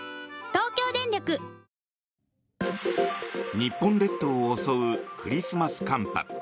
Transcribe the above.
日本列島を襲うクリスマス寒波。